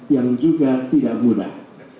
yang juga tidak mudah